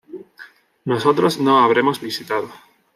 Nosotros no habremos visitado